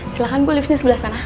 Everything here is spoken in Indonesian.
silahkan bu liftnya sebelah sana